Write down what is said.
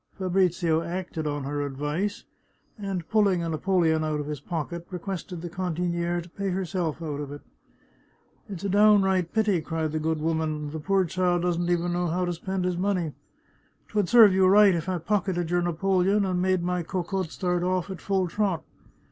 Fabrizio acted on her advice, and, pulling a napoleon out of his pocket, requested the cantiniere to pay herself out of it. " It's a downright pity I " cried the good woman ;" the poor child doesn't even know how to spend his money! 'Twould serve you right if I pocketed your napoleon and made my Cocotte start oflf at full trot.